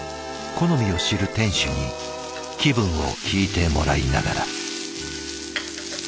好みを知る店主に気分を聞いてもらいながら。